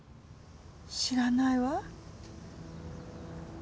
知らないわ。